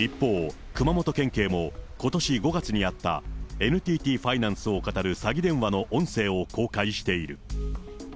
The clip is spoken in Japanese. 一方、熊本県警も、ことし５月にあった、ＮＴＴファイナンスをかたる詐欺電話の音声を公開している。